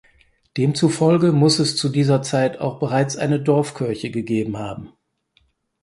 Demzufolge muss es zu dieser Zeit auch bereits eine Dorfkirche gegeben haben.